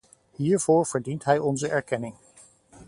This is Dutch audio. Hiervoor verdient hij onze erkenning.